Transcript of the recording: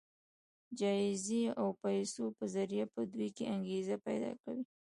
د جايزې او پيسو په ذريعه په دوی کې انګېزه پيدا کوي.